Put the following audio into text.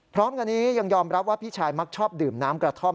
พร้อมกันนี้ยังยอมรับว่าพี่ชายมักชอบดื่มน้ำกระท่อม